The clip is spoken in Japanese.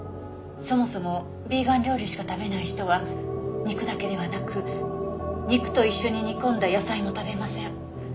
そもそもビーガン料理しか食べない人は肉だけではなく肉と一緒に煮込んだ野菜も食べません。